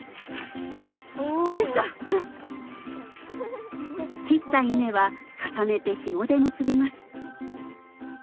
・お・できた切った稲は重ねてひもで結びます